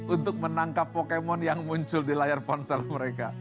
untuk menangkap pokemon yang muncul di layar ponsel mereka